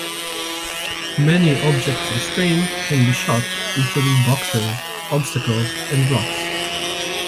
Many objects onscreen can be shot including boxes, obstacles and blocks.